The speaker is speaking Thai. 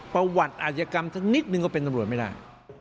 ประวัติอาชกรรมสักนิดนึงก็เป็นตำรวจไม่ได้